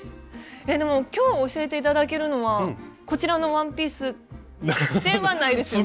でも今日教えて頂けるのはこちらのワンピースではないですよね？